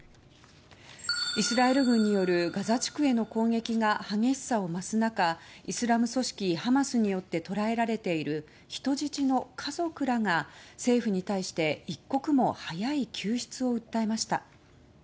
イスラエル軍によるガザ地区への攻撃が激しさを増す中イスラム組織ハマスによって捕らえられている人質の家族らが政府に対して一刻も早い救出を訴えました。